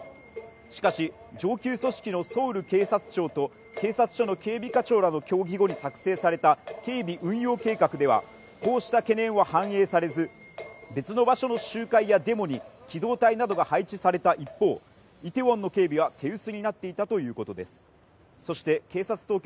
しかし上級組織のソウル警察庁と警察庁の警備課長らの協議後に作成された警備運用計画ではこうした懸念は反映されず別の場所の集会やデモに機動隊などが配置された一方イテウォンの警備が手薄になっていたということです